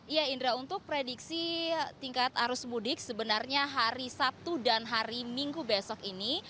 ya indra untuk prediksi tingkat arus mudik sebenarnya hari sabtu dan hari minggu besok ini